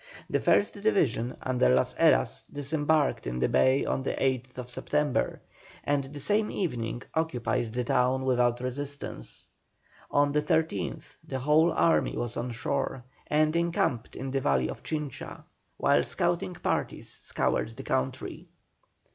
The first division, under Las Heras, disembarked in the bay on the 8th September, and the same evening occupied the town without resistance. On the 13th the whole army was on shore and encamped in the valley of Chincha, while scouting parties scoured the country.